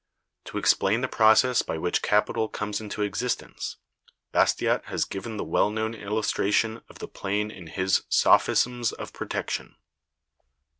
To explain the process by which capital comes into existence, Bastiat has given the well known illustration of the plane in his "Sophisms of Protection."